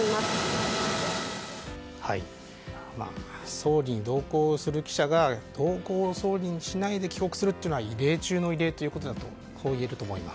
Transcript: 総理に同行する記者が総理に同行しないで帰国するというのは異例中の異例だといえると思います。